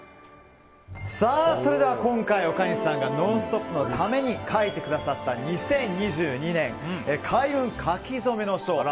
それでは今回、岡西さんが「ノンストップ！」のために書いてくださった２０２２年、開運書き初めの書。